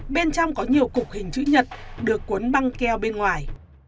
bên trong có nhiều cục hình chữ nhật được cuốn băng keo bên ngoài